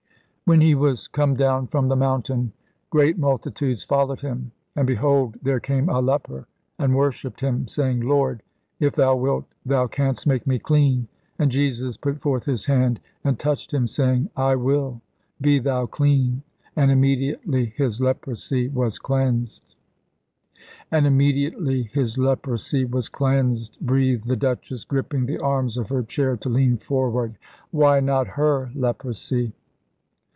"_When He was come down from the mountain, great multitudes followed Him. And, behold, there came a leper and worshipped Him, saying, Lord, if Thou wilt, Thou canst make me clean. And Jesus put forth His hand, and touched him, saying, I will; be thou clean. And immediately his leprosy was cleansed_." "And immediately his leprosy was cleansed," breathed the Duchess, gripping the arms of her chair to lean forward. "Why not 'her' leprosy?"